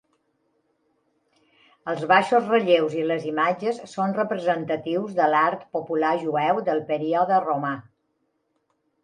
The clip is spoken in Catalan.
Els baixos relleus i les imatges són representatius de l'art popular jueu del període romà.